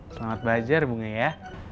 selamat belajar bunga ya